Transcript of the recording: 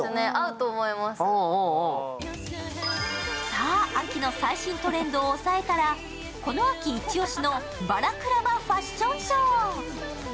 さあ、秋の最新トレンドを抑えたらこの秋イチオシのバラクラバ・ファッションショー。